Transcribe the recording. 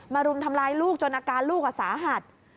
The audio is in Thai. รุมทำร้ายลูกจนอาการลูกสาหัส